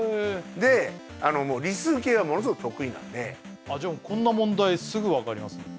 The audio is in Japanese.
で理数系がものすごく得意なんでじゃあこんな問題すぐ分かりますね